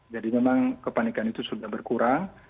jadi memang kepanikan itu sudah berkurang